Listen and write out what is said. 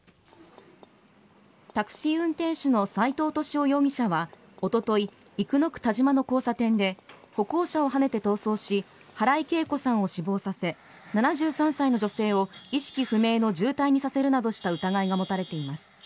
タクシー運転手の斎藤敏夫容疑者はおととい生野区田島の交差点で歩行者をはねて逃走し原井惠子さんを死亡させ７３歳の女性を意識不明の重体にさせるなどした疑いが持たれています。